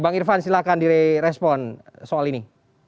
bang irvan silahkan di respon soal ini